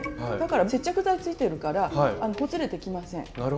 だから接着剤がついてるからほつれてきません。